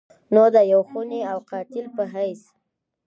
نو د يو خوني او قاتل په حېث